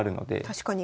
確かに。